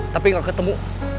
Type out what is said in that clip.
tapi gak ketemu